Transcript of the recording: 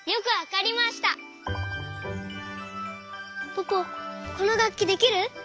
ポポこのがっきできる？